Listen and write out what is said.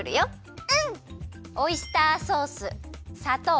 オイスターソースさとう